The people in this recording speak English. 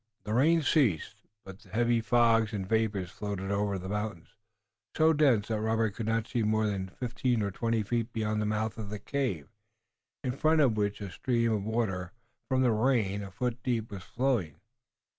The rain ceased by and by, but heavy fogs and vapors floated over the mountains, so dense that Robert could not see more than fifteen or twenty feet beyond the mouth of the cave, in front of which a stream of water from the rain a foot deep was flowing.